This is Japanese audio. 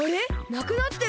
なくなってる！